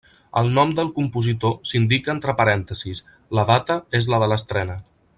El nom del compositor s'indica entre parèntesis, la data és la de l'estrena.